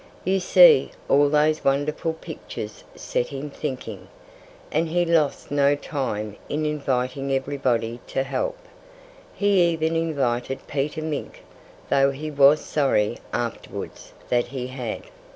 You see, all those wonderful pictures set him thinking. And he lost no time in inviting everybody to help. He even invited Peter Mink, though he was sorry, afterwards, that he had.